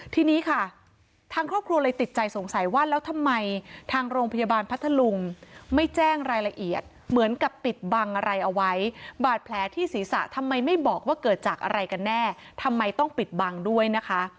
ทีนี้ค่ะทางครอบครัวเลยติดใจสงสัยว่าแล้วทำไมทางโรงพยาบาลพัทธลุงไม่แจ้งรายละเอียดเหมือนกับปิดบังอะไรเอาไว้บาดแผลที่ศีรษะทำไมไม่บอกว่าเกิดจากอะไรกันแน่ทำไมต้องปิดบังด้วยนะคะ